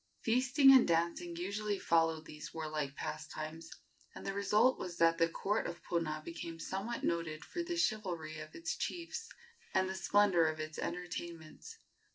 Feasting and dancing usually followed these warlike pastimes, and the result was that the court of Puna became somewhat noted for the chivalry of its chiefs and the splendor of its entertainments.